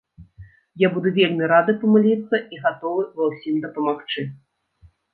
Я буду вельмі рады памыліцца і гатовы ва ўсім дапамагчы.